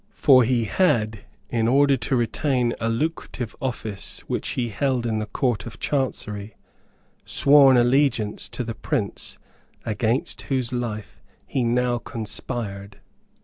For he had, in order to retain a lucrative office which he held in the Court of Chancery, sworn allegiance to the Prince against whose life he now conspired.